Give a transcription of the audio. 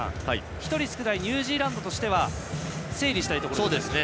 １人少ないニュージーランドは整理したいところですね。